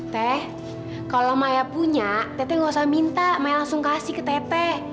teh kalau saya punya tete nggak usah minta saya langsung kasih ke tete